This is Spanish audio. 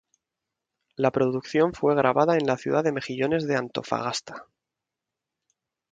La producción fue grabada en la ciudad de Mejillones de Antofagasta.